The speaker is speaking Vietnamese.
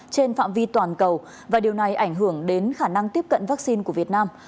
trên phạm vi toàn cầu và điều này ảnh hưởng đến khả năng tiếp cận vaccine của việt nam